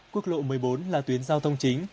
quốc lộ một mươi bốn là tuyến giao thông chính